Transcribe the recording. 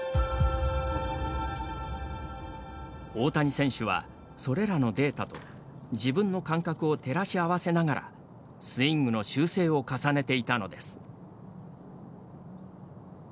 大谷選手は、それらのデータと自分の感覚を照らし合わせながらスイングの修正を重ねていたのです。